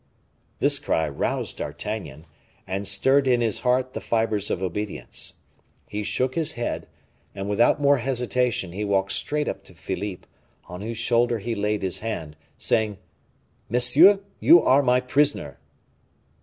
This cry roused D'Artagnan, and stirred in his heart the fibers of obedience. He shook his head, and, without more hesitation, he walked straight up to Philippe, on whose shoulder he laid his hand, saying, "Monsieur, you are my prisoner!"